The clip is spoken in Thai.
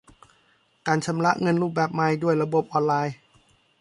การชำระเงินรูปแบบใหม่ด้วยระบบออนไลน์